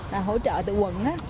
là hỗ trợ từ quận á